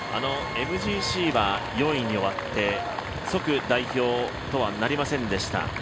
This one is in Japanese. ＭＧＣは４位に終わって即代表とはなりませんでした。